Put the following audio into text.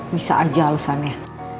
bisa aja alesannya